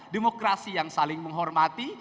demokrasi yang saling menghormati